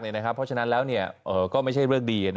เพราะฉะนั้นแล้วก็ไม่ใช่เรื่องดี